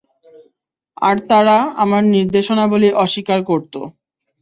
আর তারা আমার নিদর্শনাবলী অস্বীকার করত।